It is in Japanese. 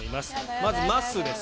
まずまっすーです。